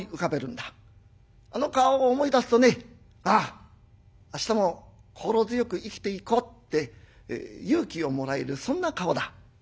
あの顔を思い出すとね『あっ明日も心強く生きていこう』って勇気をもらえるそんな顔だ」。